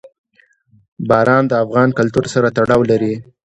باران د افغان کلتور سره تړاو لري.